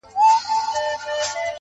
د شپې پر لاره راته دوه درې کسانو زنګ وکړ